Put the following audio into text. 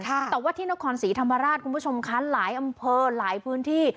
แต่ว่าที่นครศรีธรรมราชคุณผู้ชมคะหลายอำเภอหลายพื้นที่